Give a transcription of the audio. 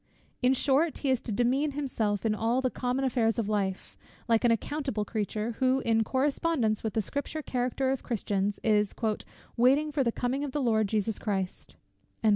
In short, he is to demean himself, in all the common affairs of life, like an accountable creature, who, in correspondence with the Scripture character of Christians, is "waiting for the coming of the Lord Jesus Christ."